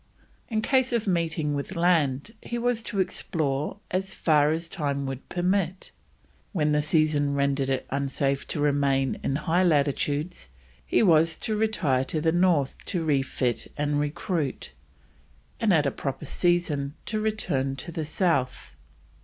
In case of meeting with land he was to explore as far as time would permit. When the season rendered it unsafe to remain in high latitudes he was to retire to the north to refit and recruit, and at a proper season to return to the south.